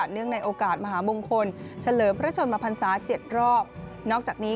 เนื่องในโอกาสมหามงคลเฉลิมพระชนมภรรษา๗รอบ